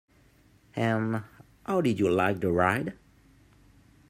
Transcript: And how did you like the ride?